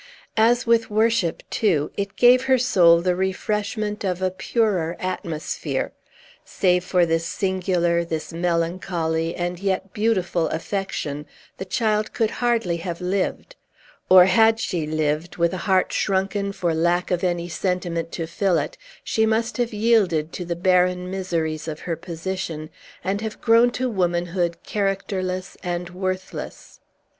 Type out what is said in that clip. As with worship, too, it gave her soul the refreshment of a purer atmosphere. Save for this singular, this melancholy, and yet beautiful affection, the child could hardly have lived; or, had she lived, with a heart shrunken for lack of any sentiment to fill it, she must have yielded to the barren miseries of her position, and have grown to womanhood characterless and worthless.